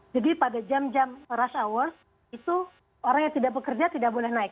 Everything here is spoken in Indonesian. jadi pada jam jam rush hour itu orang yang tidak bekerja tidak boleh naik